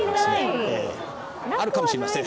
あるかもしれません。